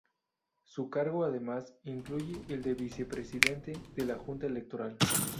Su cargo, además, incluye el de Vicepresidente de la Junta Electoral.